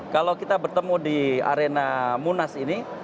kalau kita bertemu di arena munas ini